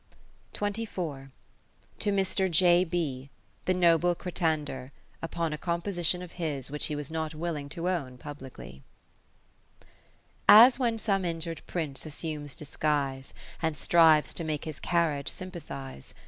To Mr. J. B. the noble Cratander, upon a Com position of his which he was not willinof to own pubHcly As when some injur'd Prince assumes disguise. And strives to make his carriage sympathize.